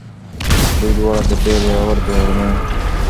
دوی دواړه ډېر زړور ځوانان ول.